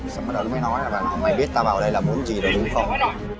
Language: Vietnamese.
xong bắt đầu nó mới nói là mày biết tao vào đây là muốn gì rồi đúng không